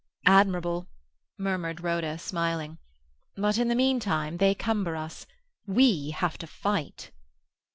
"Admirable!" murmured Rhoda, smiling. "But in the meantime they cumber us; we have to fight."